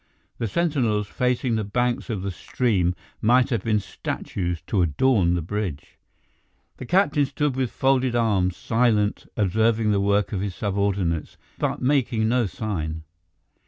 The sentinels, facing the banks of the stream, might have been statues to adorn the bridge. The captain stood with folded arms, silent, observing the work of his subordinates, but making no sign.